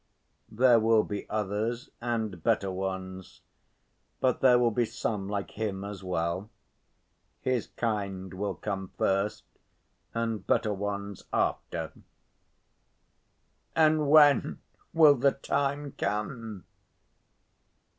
"There will be others and better ones. But there will be some like him as well. His kind will come first, and better ones after." "And when will the time come?"